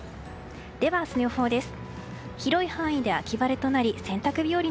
では、明日の予報です。